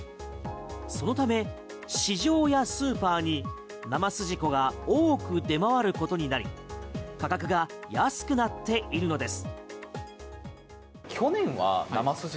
そのため市場やスーパーに生すじこが多く出回ることになり価格が安くなっているのです。